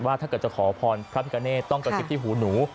ถ้าเกิดจะขอพรพระพิกาเนตต้องกระซิบที่หูหนู